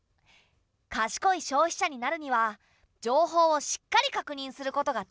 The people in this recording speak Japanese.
かしこい消費者になるには情報をしっかり確認することがたいせつだぞ。